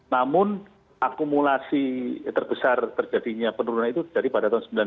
namun akumulasi terbesar terjadinya penurunan itu dari pada tahun seribu sembilan ratus sembilan puluh dan dua ribu